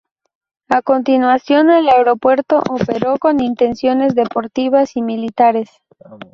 A continuación el aeropuerto operó con intenciones deportivas y militares.